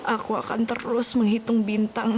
aku akan terus menghitung bintang